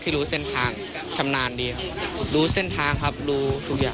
อีกเพื่อนออกมาไม่ได้มันติดปัญหาเรื่องอะไร